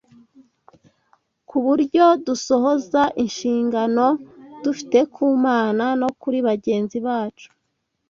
ku buryo dusohoza inshingano dufite ku Mana no kuri bagenzi bacu.